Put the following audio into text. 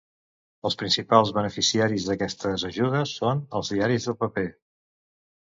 Els principals beneficiaris d'aquestes ajudes són els diaris de paper.